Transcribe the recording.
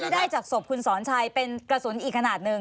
เพราะที่ได้จากศพคุณสอนชัยเป็นกระสุนอีกขนาดนึง